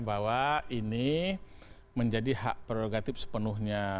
bahwa ini menjadi hak prerogatif sepenuhnya